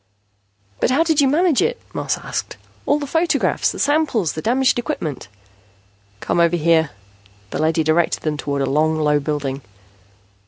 "But how did you manage it?" Moss asked. "All the photographs, the samples, the damaged equipment " "Come over here." The leady directed them toward a long, low building.